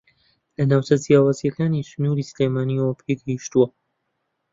لە ناوچە جیاوازەکانی سنووری سلێمانییەوە پێگەیشتووە